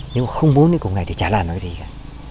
nếu không muốn đi cùng này thì chả làm được gì cả